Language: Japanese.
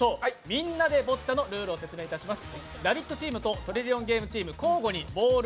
「みんなでボッチャ」のルールを説明します。